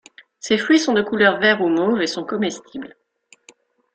Ses fruits sont de couleurs vert ou mauve et sont comestibles.